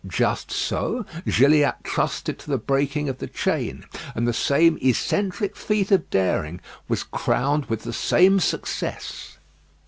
Just so Gilliatt trusted to the breaking of the chain; and the same eccentric feat of daring was crowned with the same success.